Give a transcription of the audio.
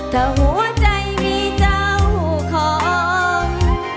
ถ้าหัวใจมีเจ้าของ